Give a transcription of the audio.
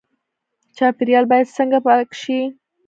چاپیریال باید څنګه پاک شي؟